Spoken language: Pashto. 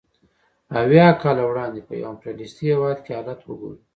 اویای کاله وړاندې په یو امپریالیستي هېواد کې حالت وګورئ